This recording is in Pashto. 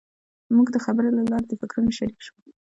موږ د خبرو له لارې د فکرونو شریک شوو.